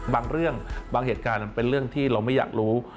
บางเรื่องบางเหตุการณ์มันเป็นเรื่องที่เราไม่อยากรู้